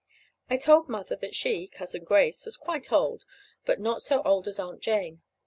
I told Mother that she (Cousin Grace) was quite old, but not so old as Aunt Jane.